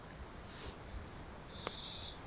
اکا به له خپلې بوړۍ د هغه ځمکه اوبوله.